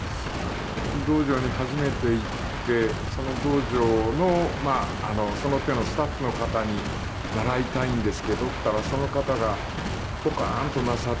道場に初めて行ってその道場のその手のスタッフの方に「習いたいんですけど」って言ったらその方がポカーンとなさって。